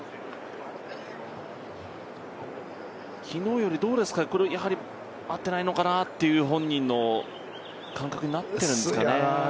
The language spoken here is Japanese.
昨日より合っていないのかなという本人の感覚になってるんですかね。